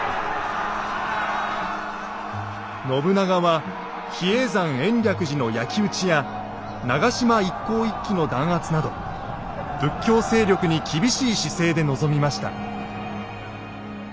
信長は比叡山延暦寺の焼き打ちや長島一向一揆の弾圧など仏教勢力に厳しい姿勢で臨みました。